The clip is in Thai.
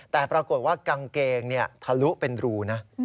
แต่ปรากฏว่ากางเกงทะลุเป็นรูนะ